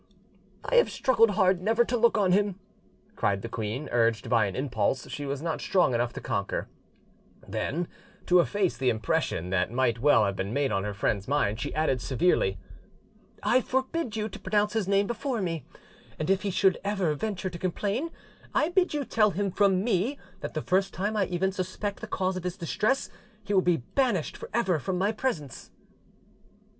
"I have struggled hard never to look on him," cried the queen, urged by an impulse she was not strong enough to conquer: then, to efface the impression that might well have been made on her friend's mind, she added severely, "I forbid you to pronounce his name before me; and if he should ever venture to complain, I bid you tell him from me that the first time I even suspect the cause of his distress he will be banished for ever from my presence."